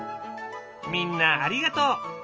みんなありがとう！